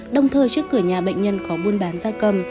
đồng thời trước cửa nhà bệnh nhân có buôn bán da cầm